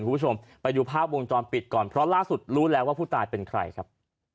คุณผู้ชมไปดูภาพวงจรปิดก่อนเพราะล่าสุดรู้แล้วว่าผู้ตายเป็นใครครับ